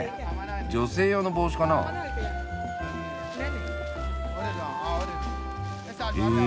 女性用の帽子かな？へ